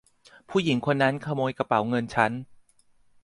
ผู้หญิงคนนั้นขโมยกระเป๋าเงินฉัน !